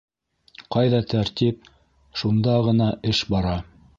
Ҡайҙа тәртип - шунда ғына эш бара.